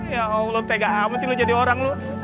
ya allah pegang apa sih lo jadi orang lo